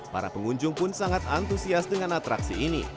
para pengunjung pun sangat antusias dengan atraksi ini